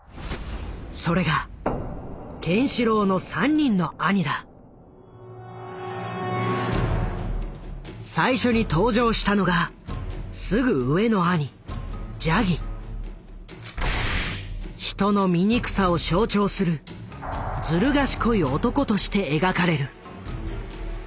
それがケンシロウの最初に登場したのがすぐ上の兄人の「醜さ」を象徴するずる賢い男としてえがかれる。